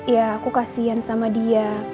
ya aku kasian sama dia